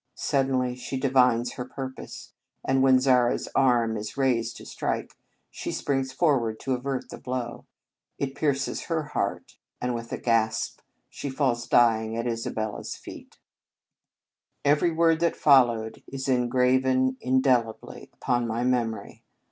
Suddenly she divines her purpose, and, when Zara s arm is raised to strike, she springs forward to avert the blow. It pierces her heart, and with a gasp she falls dying at Isabella s feet. 64 The Convent Stage Every word that followed is en graven indelibly upon my memory.